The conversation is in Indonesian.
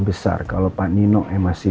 besar kalau pak nino masih